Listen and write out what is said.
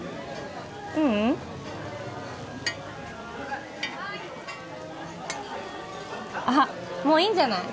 ううんあっもういいんじゃない？